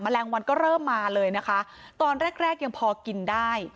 แมลงวันก็เริ่มมาเลยนะคะตอนแรกแรกยังพอกินได้